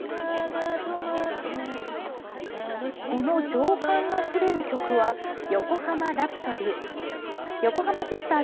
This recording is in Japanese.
この情感あふれる曲は「ヨコハマラプソディー」。